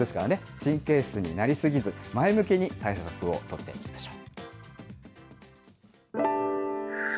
神経質になり過ぎず、前向きに対策を取っていきましょう。